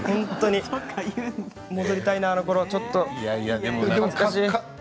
戻りたいな、あのころにちょっと。